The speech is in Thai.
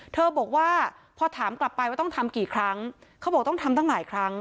บอกว่าพอถามกลับไปว่าต้องทำกี่ครั้งเขาบอกต้องทำตั้งหลายครั้ง